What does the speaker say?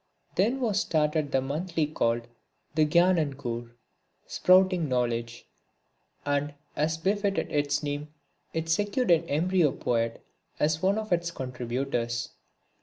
Then was started the monthly called the Gyanankur, Sprouting Knowledge, and, as befitted its name it secured an embryo poet as one of its contributors.